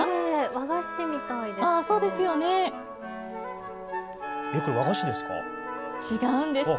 和菓子みたいですね。